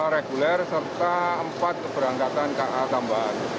dua reguler serta empat keberangkatan ka tambahan